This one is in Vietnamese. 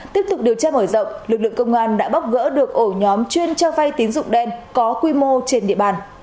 tiếp tục điều tra mở rộng lực lượng công an đã bóc gỡ được ổ nhóm chuyên cho vay tín dụng đen có quy mô trên địa bàn